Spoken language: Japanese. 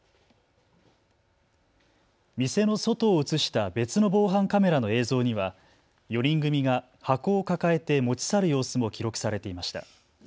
店の外を写した別の防犯カメラの映像には４人組が箱を抱えて持ち去る様子も記録されていました。